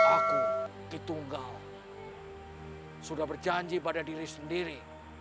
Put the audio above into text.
aku ditunggal sudah berjanji pada diri sendiri